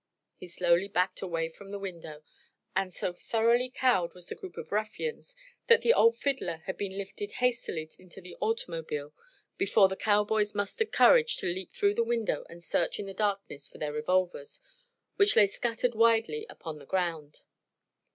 He slowly backed away from the window, and so thoroughly cowed was the group of ruffians that the old fiddler had been lifted hastily into the automobile before the cowboys mustered courage to leap through the window and search in the darkness for their revolvers, which lay scattered widely upon the ground.